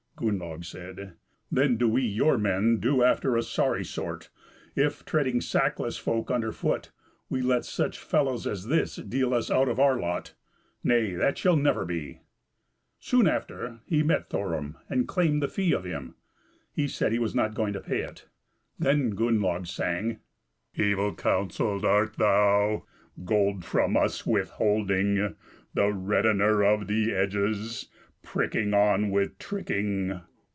Gunnlaug said, "Then do we, your men, do after a sorry sort, if, treading sackless folk under foot, we let such fellows as this deal us out our lot. Nay, that shall never be." Soon after he met Thororm and claimed the fee of him. He said he was not going to pay it. Then sang Gunnlaug: "Evil counselled art thou, Gold from us withholding; The reddener of the edges, Pricking on with tricking.